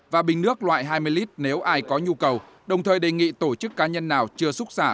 và bình nước loại hai mươi lít nếu ai có nhu cầu đồng thời đề nghị tổ chức cá nhân nào chưa xúc xả